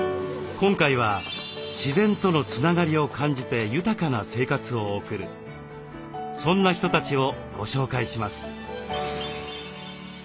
今回は自然とのつながりを感じて豊かな生活を送るそんな人たちをご紹介します。